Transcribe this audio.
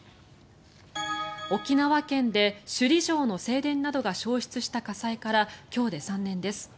沖縄県で首里城の正殿などが焼失した火災から今日で３年です。